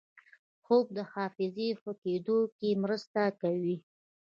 خوب د حافظې ښه کېدو کې مرسته کوي